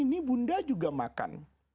ini bunda juga makan